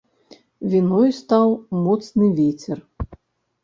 Віной стаў моцны вецер.